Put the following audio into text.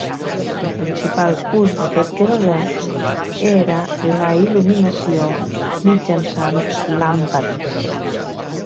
El principal ús d'aquest querosè era la il·luminació mitjançant làmpades.